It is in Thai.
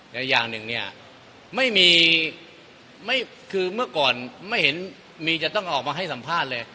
แต่อย่างหนึ่งเนี่ยไม่มีคือเมื่อก่อนไม่เห็นมีจะต้องออกมาให้สัมภาษณ์เลย